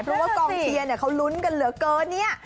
เพราะว่ากลางเทียเหลือก็เนี่ย